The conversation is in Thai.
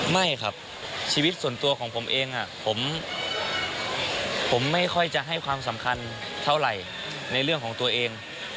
ไม่ครับชีวิตส่วนตัวของผมเองผมไม่ค่อยจะให้ความสำคัญเท่าไหร่ในเรื่องของตัวเอง